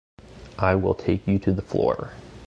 I will take you to the floor.